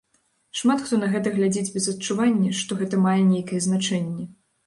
Шмат хто на гэта глядзіць без адчування, што гэта мае нейкае значэнне.